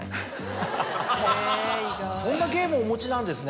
そんな芸もお持ちなんですね？